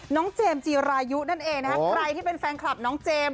เจมส์จีรายุนั่นเองนะคะใครที่เป็นแฟนคลับน้องเจมส์